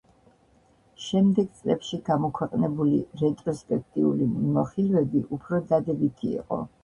შემდეგ წლებში გამოქვეყნებული რეტროსპექტიული მიმოხილვები უფრო დადებითი იყო.